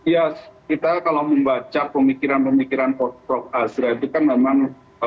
ya kita kalau membaca pemikiran pemikiran prof azra itu kan memang